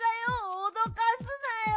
おどかすなよ。